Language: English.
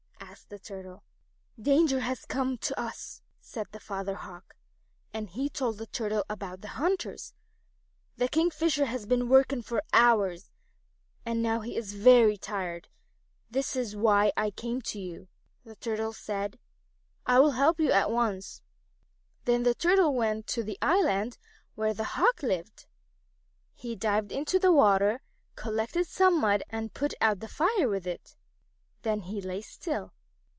asked the Turtle. "Danger has come to us," said the Father Hawk, and he told the Turtle about the hunters. "The Kingfisher has been working for hours, and now he is very tired. That is why I have come to you." The Turtle said, "I will help you at once." Then the Turtle went to the island where the Hawks lived. He dived into the water, collected some mud, and put out the fire with it. Then he lay still.